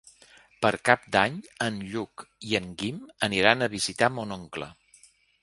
Per Cap d'Any en Lluc i en Guim aniran a visitar mon oncle.